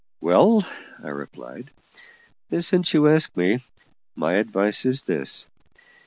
"Well," I replied, "since you ask me, my advice is this.